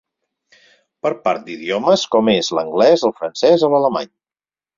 Per part d'idiomes com és l'Anglès el Francès o l'Alemany.